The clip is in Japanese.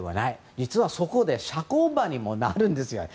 実はそこが社交場にもなるんですよ。